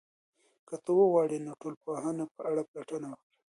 که ته وغواړې، نو د ټولنپوهنې په اړه پلټنه وکړه.